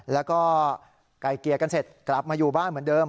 แล้วก็ไก่เกลี่ยกันเสร็จกลับมาอยู่บ้านเหมือนเดิม